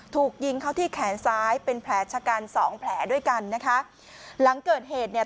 ถูกยิงเข้าที่แขนซ้ายเป็นแผลชะกันสองแผลด้วยกันนะคะหลังเกิดเหตุเนี่ย